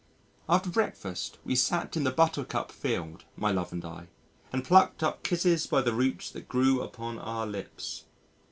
After breakfast we sat in the Buttercup field my love and I and "plucked up kisses by the roots that grew upon our lips."